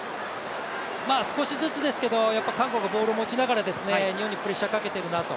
少しずつですけど韓国がボールを持ちながら日本にプレッシャーをかけているなと。